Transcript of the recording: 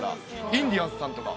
インディアンズさんとか。